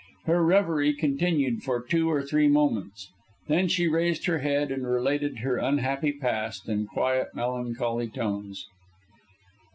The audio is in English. Her reverie continued for two or three moments. Then she raised her head and related her unhappy past in quiet, melancholy tones.